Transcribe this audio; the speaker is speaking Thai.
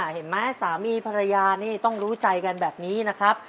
เห็นไหมสามีภรรยานี่ต้องรู้ใจกันแบบนี้นะครับ